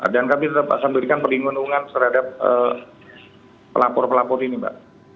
dan kami tetap akan memberikan peringungan terhadap pelapor pelapor ini mbak